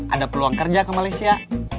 ada peluang kerja ke malaysia